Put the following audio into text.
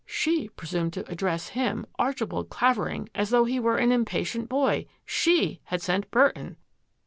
She presumed to address him, Archibald Claver ing, as though he were an impatient boy! She had sent Burton!